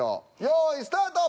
用意スタート！